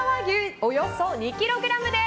およそ２ｋｇです。